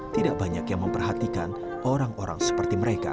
tidak banyak yang memperhatikan orang orang seperti mereka